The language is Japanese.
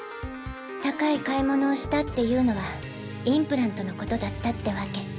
高い買い物をしたっていうのはインプラントのことだったってわけ。